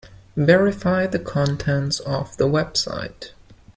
Verify the contents of the website.